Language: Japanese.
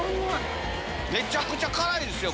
めちゃくちゃ辛いですよ。